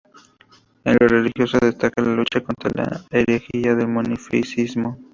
En lo religioso destaca su lucha contra la herejía del monofisismo.